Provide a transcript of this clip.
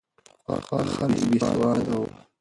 پخوا خلک بې سواده وو.